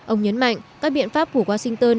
ông nhấn mạnh các biện pháp của washington